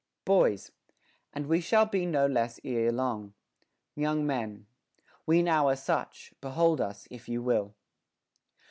Boys. And we shall be no less ere long. Young Men. We now are such ; behold us, if you will.